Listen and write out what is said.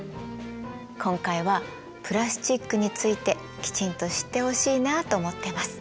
今回はプラスチックについてきちんと知ってほしいなと思ってます。